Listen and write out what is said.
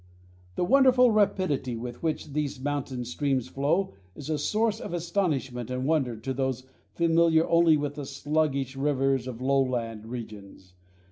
The wonderful rapidity with which these mountain streams flow is a source of astonishment and wonder to those familiar only with the sluggish rivers of lowland regions.